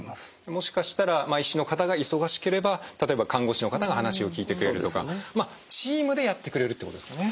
もしかしたら医師の方が忙しければ例えば看護師の方が話を聞いてくれるとかチームでやってくれるということですかね。